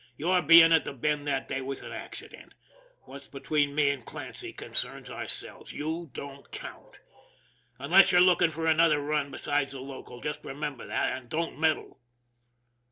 Your being at the Bend that day was an accident. What's between me and Clancy concerns ourselves. You don't count. Unless you're looking for another run besides the local, just remember that and don't meddle."